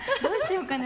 どうしようかな。